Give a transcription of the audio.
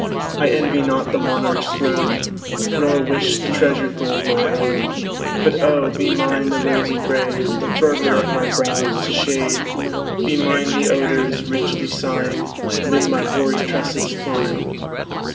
I envy not the monarch's throne, Nor wish the treasured gold my own. But oh! be mine the rosy braid, The fervor of my brows to shade; Be mine the odors, richly sighing, Amid my hoary tresses flying.